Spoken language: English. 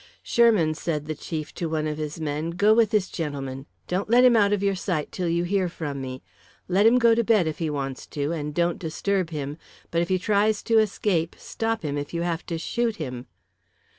"Sherman," said the chief to one of his men, "go with this gentleman. Don't let him out of your sight till you hear from me. Let him go to bed, if he wants to, and don't disturb him; but if he tries to escape, stop him if you have to shoot him."